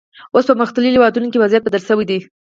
اوس په پرمختللو هېوادونو کې وضعیت بدل شوی دی.